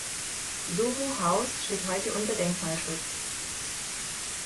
Soho House steht heute unter Denkmalschutz.